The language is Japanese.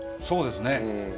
そうですね。